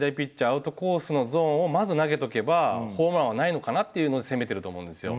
アウトコースのゾーンをまず投げとけばホームランはないのかなっていうので攻めてると思うんですよ。